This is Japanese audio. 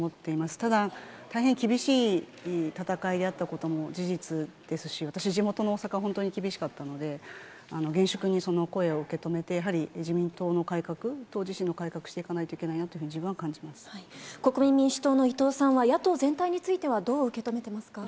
ただ、大変厳しい戦いであったことも事実ですし、私、地元の大阪、本当に厳しかったので、厳粛にその声を受け止めて、自民党の改革、党自身の改革をしていかないといけないなというふうに、自分は感国民民主党の伊藤さんは野党全体についてはどう受け止めていますか？